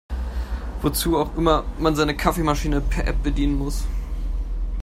Wozu auch immer man seine Kaffeemaschine per App bedienen muss.